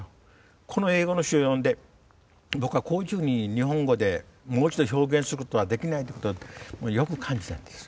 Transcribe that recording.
この英語の詩を読んで僕はこういうふうに日本語でもう一度表現することはできないってことだとよく感じたんです。